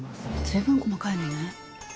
随分細かいのね。